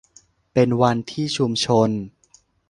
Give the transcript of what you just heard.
เป็นวันที่ชุมชน